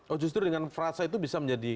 oh justru dengan frasa itu bisa menjadi